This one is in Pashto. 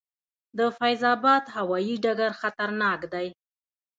د فیض اباد هوايي ډګر خطرناک دی؟